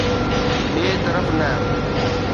ٻئي طرف نه.